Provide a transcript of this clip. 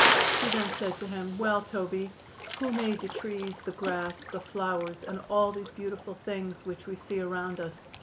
She then said to him: "Well, Toby, who made the trees, the grass, the flowers and all these beautiful things which we see around us?"